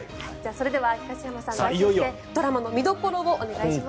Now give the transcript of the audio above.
それでは東山さんドラマの見どころをお願いします。